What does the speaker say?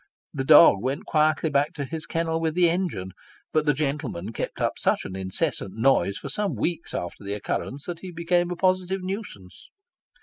The dog went quietly back to his kennel with the engine, but the gentleman kept up such an incessant noise for some weeks after the occurrence, that he became a positive nuisance.